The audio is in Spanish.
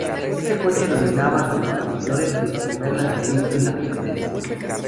Este coche dominaba a sus competidores de su primer lanzamiento en la competencia.